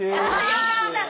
よかった。